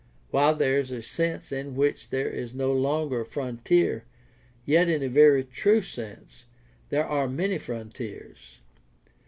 While there is a sense in which there is no longer a frontier, yet in a very true sense there are many frontiers.